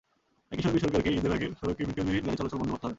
একই সঙ্গে সরকারকে ঈদের আগে সড়কে ফিটনেসবিহীন গাড়ি চলাচল বন্ধ করতে হবে।